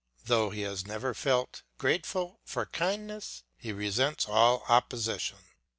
Though he has never felt grateful for kindness, he resents all opposition.